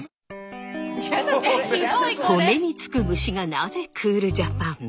米につく虫がなぜクールジャパン？